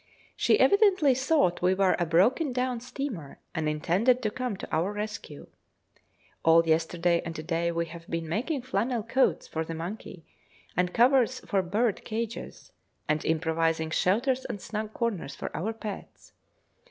She evidently thought we were a broken down steamer, and intended to come to our rescue. All yesterday and to day we have been making flannel coats for the monkey, and covers for birdcages, and improvising shelters and snug corners for our pets.